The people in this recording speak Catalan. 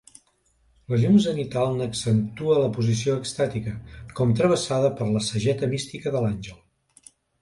La llum zenital n'accentua la posició extàtica, com travessada per la sageta mística de l'àngel.